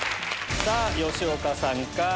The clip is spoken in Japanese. さぁ吉岡さんか？